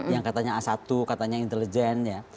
yang katanya a satu katanya intelijen ya